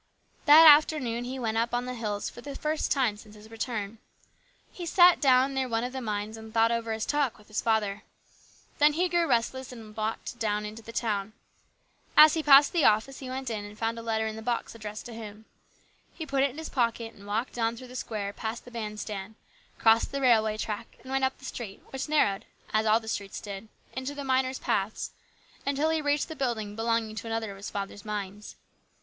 That afternoon he went up on the hills for the first time since his return. He sat down near one of the mines and thought over his talk with his father. Then he grew restless and walked down into the town. As he passed the office he went in and found a letter in the box addressed to him. He put it in his pocket, and walked on through the square past the band stand, crossed the railway track, and went up the street, which narrowed, as all the streets did, into the miners' paths, until he reached the building belonging to another of his father's mines.